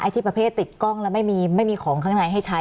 ที่ประเภทติดกล้องแล้วไม่มีของข้างในให้ใช้